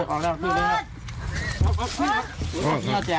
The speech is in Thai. ออกแล้วออกแล้ว